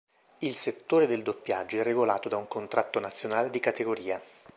Il settore del doppiaggio è regolato da un Contratto Nazionale di categoria.